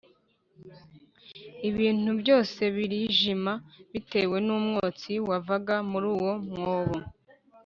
Ibintu byose birijima bitewe n’umwotsi wavaga muri uwo mwobo